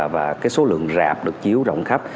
và cái số lượng rạp được chiếu rộng khắp